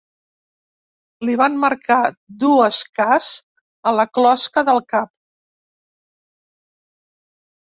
Li van marcar dues cas a la closca del cap!